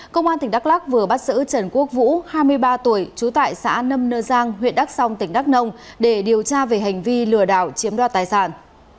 công an tỉnh đắk lắc vừa bắt sử trần quốc vũ hai mươi ba tuổi trú tại xã nâm nơ giang huyện đắk song tỉnh đắk nông để điều tra về hành vi lừa đảo chiếm đoạt tài sản